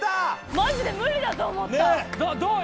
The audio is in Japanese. マジで無理だと思ったどう？